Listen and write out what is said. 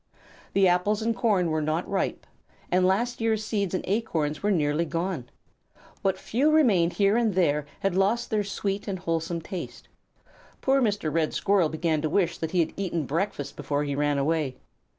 The apples and corn were not ripe, and last year's seeds and acorns were nearly gone. What few remained here and there had lost their sweet and wholesome taste. Poor Mr. Red Squirrel began to wish that he had eaten breakfast before he ran away.